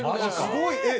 すごい！えっ？